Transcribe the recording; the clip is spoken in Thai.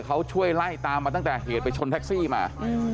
เขาช่วยไล่ตามมาตั้งแต่เหตุไปชนแท็กซี่มา